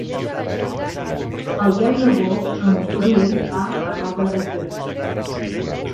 El deu d'agost en Bru va a Roda de Ter.